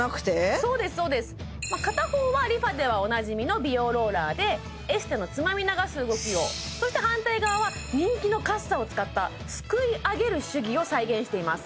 そうですそうです片方はＲｅＦａではおなじみの美容ローラーでエステのつまみ流す動きをそして反対側は人気のカッサを使ったすくい上げる手技を再現しています